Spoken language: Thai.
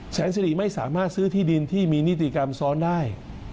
แสนสิริไม่สามารถซื้อที่ดินที่มีนิติกรรมซ้อนได้